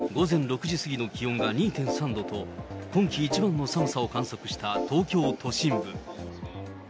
午前６時過ぎの気温が２．３度と、今季一番の寒さを観測した東京都心部。